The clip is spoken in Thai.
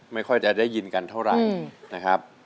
ไม่ค่อยจะได้ยินเพียงเท่าไหร่